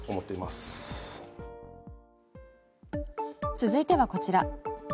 続いてはこちら。